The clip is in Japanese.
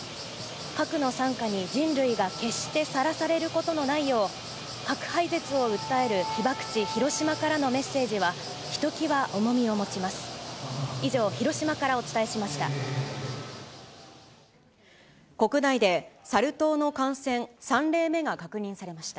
核の惨禍に人類が決してさらされることのないよう、核廃絶を訴える被爆地、広島からのメッセージは、ひときわ重みを持ちます。